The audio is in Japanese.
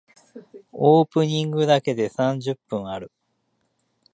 オープニングだけで三十分ある。